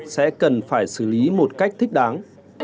thì chúng ta có thể xử lý một cách thích đáng